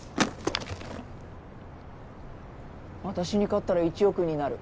私に勝ったら１億になる。